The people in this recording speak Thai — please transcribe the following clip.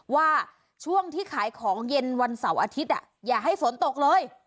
ว่าช่วงที่ขายของเย็นวันเสาร์อาทิตย์อย่าให้ฝนตกเลย